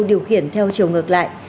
điều khiển theo chiều ngược lại